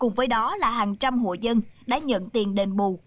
cùng với đó là hàng trăm hộ dân đã nhận tiền đền bù